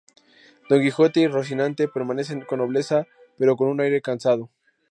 Don Quijote y Rocinante permanecen con nobleza, pero con un aire cansado.